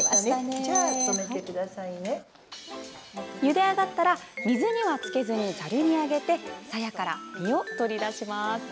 ゆで上がったら水にはつけずに、ざるに上げてさやから実を取り出します。